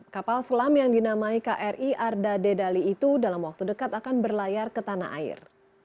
kapal selam yang dinamai kri arda dedali itu dalam waktu dekat akan berlayar ke tanah air